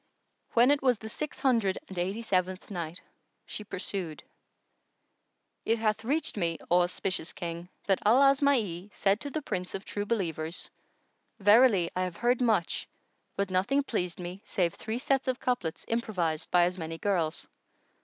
When it was the Six Hundred and Eighty seventh Night, She pursued, It hath reached me, O auspicious King, that Al Asma'i said to the Prince of True Believers, "Verily I have heard much, but nothing pleased me save three sets of couplets improvised by as many girls."